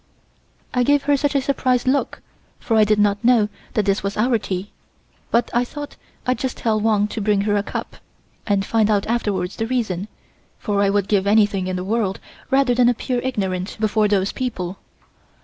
I gave her such a surprised look, for I did not know that this was our tea, but I thought I'd just tell Wang to bring her a cup, and find out afterwards the reason, for I would give anything in the world rather than appear ignorant before those people.